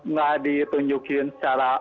nggak ditunjukin secara